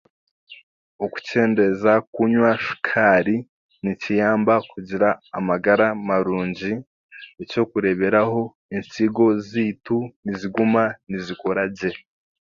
Okukyendeeza kunywa shukaari nikiyamba kugira amagara marungi, ekyokureeberaho ensigo zaitu niziguma nizikoragye.